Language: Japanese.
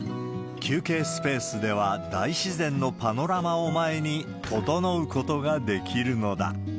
休憩スペースでは、大自然のパノラマを前に、ととのうことができるのだ。